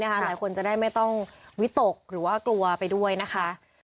หลายคนจะได้ไม่ต้องวิตกหรือว่ากลัวไปด้วยนะคะ